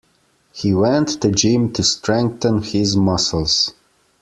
He went to gym to strengthen his muscles.